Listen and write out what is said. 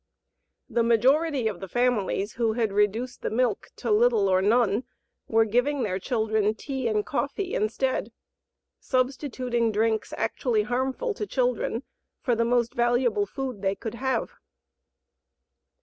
The majority of the families who had reduced the milk to little or none were giving their children tea and coffee instead substituting drinks actually harmful to children for the most valuable food they could have.